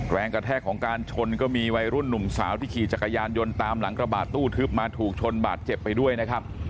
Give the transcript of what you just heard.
แรงกระแทกของการชนก็มีวัยรุ่นหนุ่มสาวที่ขี่จักรยานยนต์ตามหลังกระบาดตู้ทึบมาถูกชนบาดเจ็บไปด้วยนะครับ